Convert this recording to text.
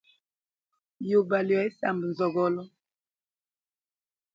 Yuba lya isamba nzogolo.